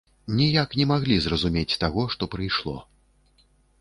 Ніяк не маглі зразумець таго, што прыйшло.